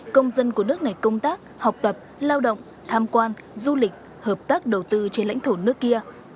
công dân của nước này công tác học tập lao động tham quan du lịch hợp tác đầu tư trên lãnh thổ nước kia